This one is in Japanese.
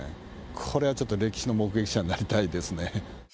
これはちょっと歴史の目撃者になりたいですね。